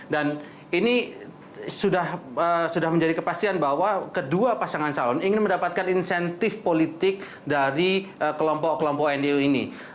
ini sudah menjadi kepastian bahwa kedua pasangan calon ingin mendapatkan insentif politik dari kelompok kelompok ngo ini